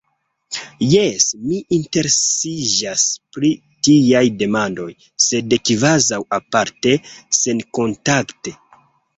Jes, mi interesiĝas pri tiaj demandoj, sed kvazaŭ aparte, senkontakte.